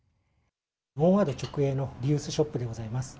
オンワード直営のリユースショップでございます。